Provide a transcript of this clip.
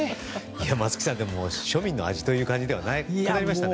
松木さん、庶民の味ではなくなりましたね。